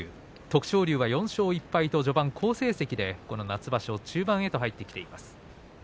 徳勝龍は４勝１敗と好成績で中盤に入ってきています。